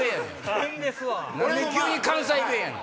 何で急に関西弁やねん！